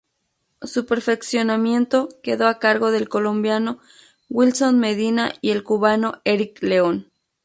Su perfeccionamiento quedó a cargo del colombiano Wilson Medina y el cubano Erik León.